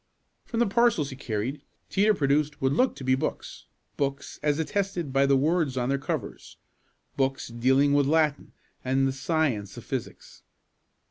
From the parcels he carried, Teeter produced what looked to be books books, as attested by the words on their covers books dealing with Latin, and the science of physics.